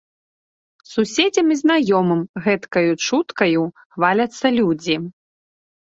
Суседзям і знаёмым гэткаю чуткаю хваляцца людзі.